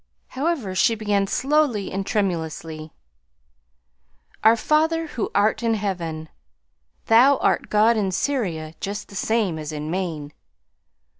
However, she began slowly and tremulously: "Our Father who art in Heaven, ... Thou art God in Syria just the same as in Maine